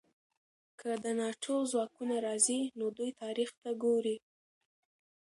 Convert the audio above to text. که د ناټو ځواکونه راځي، نو دوی تاریخ ته ګوري.